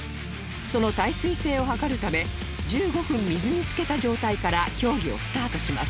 その耐水性を図るため１５分水につけた状態から競技をスタートします